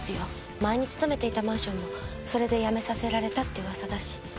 前に勤めていたマンションもそれで辞めさせられたって噂だし。